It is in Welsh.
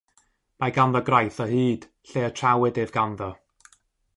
Mae ganddo graith o hyd lle y trawyd ef ganddo.